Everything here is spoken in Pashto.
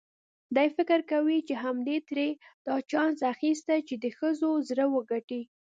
دی فکر کوي چې همدې ترې دا چانس اخیستی چې د ښځو زړه وګټي.